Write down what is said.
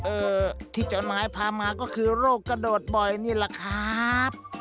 ที่เจ้านายพามาก็คือโรคกระโดดบ่อยนี่แหละครับ